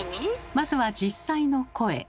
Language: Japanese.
まずは実際の声。